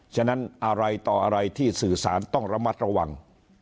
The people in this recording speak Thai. ฉะนั้นอะไรต่ออะไรที่สื่อสารต้องระมัดระวัง